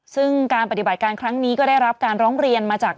ซึ่งการปฏิบัติการครั้งนี้ก็ได้รับการร้องเรียนมาจาก